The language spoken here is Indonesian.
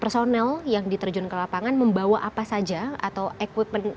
personel yang diterjun ke lapangan membawa apa saja atau equipment